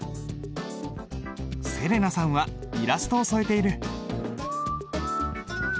せれなさんはイラストを添えている。